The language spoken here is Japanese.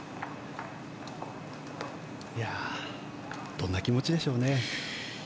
どんな気持ちでしょうね。